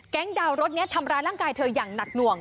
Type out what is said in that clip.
ดาวรถนี้ทำร้ายร่างกายเธออย่างหนักหน่วง